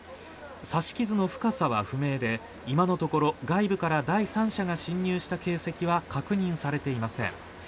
刺し傷の深さは不明で今のところは外部から第三者が侵入した形跡は確認されていません。